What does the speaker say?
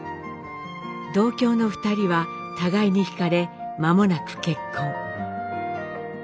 同郷の２人は互いにひかれ間もなく結婚。